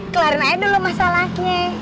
kelarin aja dulu masalahnya